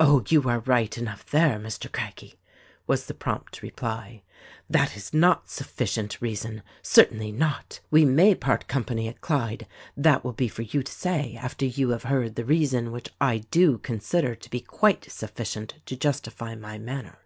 "Oh, you are right enough there, Mr. Craggie," was the prompt reply, "that is not sufficient reason — certainly not ! We may part company at Clyde — that will be for you to say after you have heard the reason which I do consider to be quite sufficient to justify my manner."